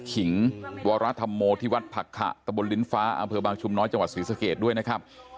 ขิงวรธรรมโมที่วัดผักขะตะบนลิ้นฟ้าอำเภอบางชุมน้อยจังหวัดศรีสเกตด้วยนะครับ